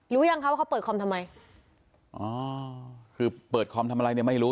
ยังคะว่าเขาเปิดคอมทำไมอ๋อคือเปิดคอมทำอะไรเนี่ยไม่รู้